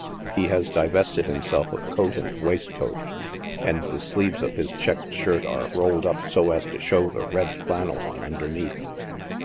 He has divested himself of coat and waistcoat, and the sleeves of his checked shirt are rolled up so as to show the red flannel one underneath.